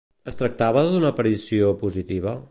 Es tractava d'una aparició positiva?